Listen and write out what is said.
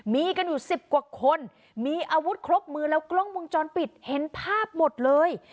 มีกันอยู่๑๐กว่าคนมีอาวุธครบมือแล้วกล้องมุมจรปิดเห็นภาพหมดเลย